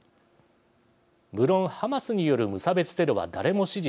無論ハマスによる無差別テロは誰も支持しません。